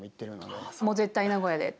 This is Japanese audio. もう絶対名古屋でって。